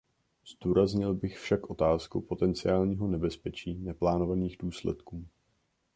Zdůraznil bych však otázku potenciálního nebezpečí neplánovaných důsledků.